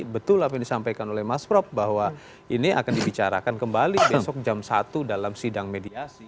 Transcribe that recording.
betul apa yang disampaikan oleh mas prap bahwa ini akan dibicarakan kembali besok jam satu dalam sidang mediasi